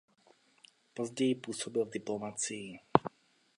Později působil v diplomacii.